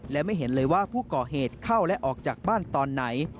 และไม่เห็นเลยว่าผู้ก่อเหตุเข้าและออกจากบ้านตอนไหน